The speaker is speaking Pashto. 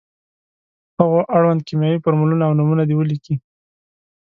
هغو اړوند کیمیاوي فورمولونه او نومونه دې ولیکي.